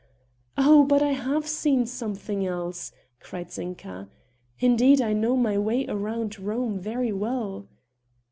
"Oh! but I have seen something else," cried Zinka, "indeed, I know my way about Rome very well."